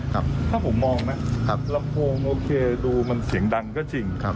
ถ้าผมมองนะลำโพงโอเคดูมันเสียงดังก็จริง